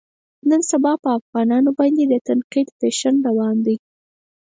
نن سبا په افغانانو باندې د تنقید فیشن روان دی.